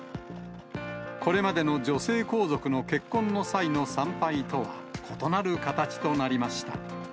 これまでの女性皇族の結婚の際の参拝とは異なる形となりました。